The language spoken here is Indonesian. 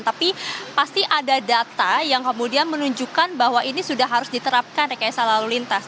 tapi pasti ada data yang kemudian menunjukkan bahwa ini sudah harus diterapkan rekayasa lalu lintas